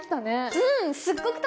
うん！